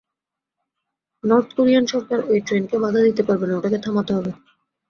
North Korean সরকার ঐ ট্রেনকে বাঁধা দিতে পারবে না, ওটাকে থামাতে হবে।